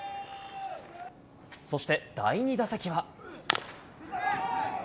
そして第２打席は。